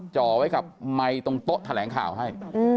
จ่อไว้กับไมค์ตรงโต๊ะแถลงข่าวให้